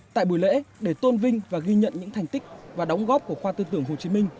tại buổi lễ để tôn vinh và ghi nhận những thành tích và đóng góp của khoa tư tưởng hồ chí minh